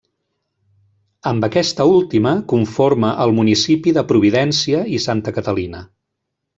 Amb aquesta última conforma el municipi de Providència i Santa Catalina.